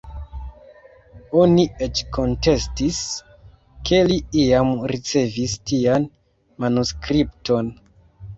Oni eĉ kontestis, ke li iam ricevis tian manuskripton.